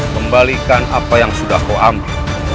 kembalikan apa yang sudah kau ambil